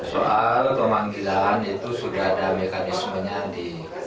soal pemanggilan itu sudah ada mekanismenya di